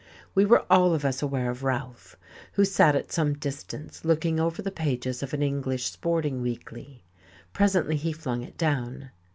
We were all of us aware of Ralph, who sat at some distance looking over the pages of an English sporting weekly. Presently he flung it down.